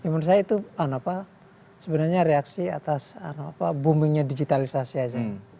menurut saya itu sebenarnya reaksi atas boomingnya digitalisasi aja